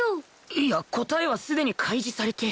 いや答えはすでに開示されて